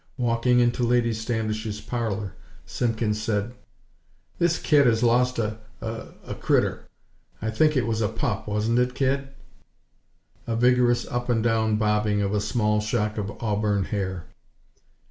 Walking into Lady Standish's parlor, Simpkins said: "This kid has lost a a a crittur; I think it was a pup, wasn't it, kid?" A vigorous up and down bobbing of a small shock of auburn hair.